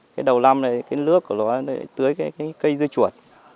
cái đầu lăm này cái nước của nó tươi cái cây dưa chuột